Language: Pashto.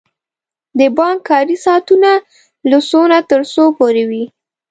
د بانک کاری ساعتونه له څو نه تر څو پوری وی؟